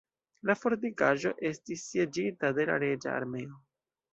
La fortikaĵo estis sieĝita de la reĝa armeo.